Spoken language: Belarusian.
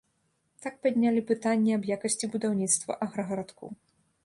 Так паднялі пытанне аб якасці будаўніцтва аграгарадкоў.